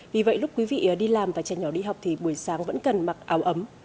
vì vậy lúc quý vị đi làm và trẻ nhỏ đi học thì buổi sáng vẫn cần mặc áo ấm